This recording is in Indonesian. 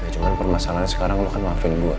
cuma permasalahan sekarang lo kan maafin gue